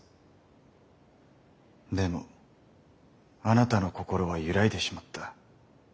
でもあなたの心は揺らいでしまった。